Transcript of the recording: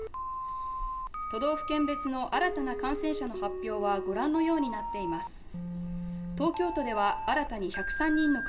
都道府県別の新たな感染者の発表は御覧のようになっています。